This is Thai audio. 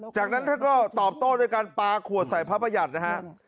จากนั้นท่านก็ตอบโต้ด้วยการปลาขวดใส่พระประหยัดนะฮะ